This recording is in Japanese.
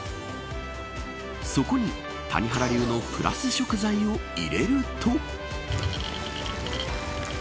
そこに谷原流のプラス食材を入れると。